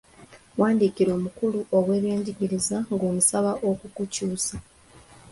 Wandiikira omukulu w’ebyenjigiriza ng'omusaba okukukyusa.